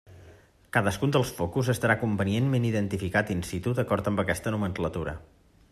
Cadascun dels focus estarà convenientment identificat in situ d'acord amb aquesta nomenclatura.